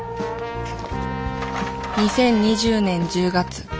２０２０年１０月。